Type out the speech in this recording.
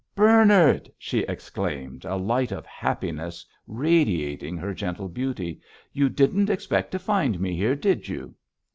"Bernard," she exclaimed, a light of happiness radiating her gentle beauty; "you didn't expect to find me here, did you?"